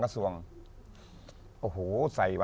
ขอช่วยไหม